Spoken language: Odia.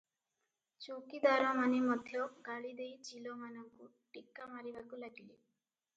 ଚୌକିଦାରମାନେ ମଧ୍ୟ ଗାଳିଦେଇ ଚିଲମାନଙ୍କୁ ଟେକାମାରିବାକୁ ଲାଗିଲେ ।